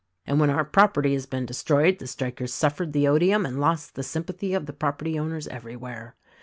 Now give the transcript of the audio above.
And when our property has been destroyed the strikers suffered the odium and lost the sympathy of the property owners everywhere.